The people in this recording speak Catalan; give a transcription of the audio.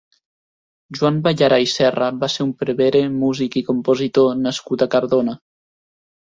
Joan Ballarà i Serra va ser un prevere, músic i compositor nascut a Cardona.